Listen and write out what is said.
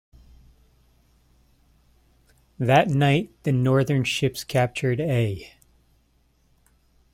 That night the Northern ships captured A.